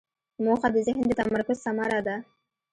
موخه د ذهن د تمرکز ثمره ده.